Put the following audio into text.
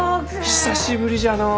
久しぶりじゃのう！